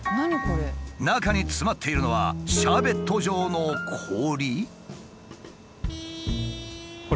中に詰まっているのはシャーベット状の氷？